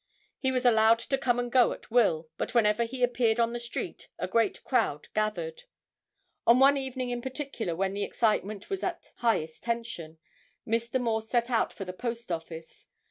He was allowed to come and go at will, but whenever he appeared on the street a great crowd gathered. On one evening in particular when the excitement was at the highest tension Mr. Morse set out for the post office.